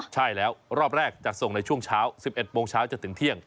ใช่แล้วรอบแรกจัดส่งในช่วงเช้า๑๑โมงเช้าจนถึงเที่ยง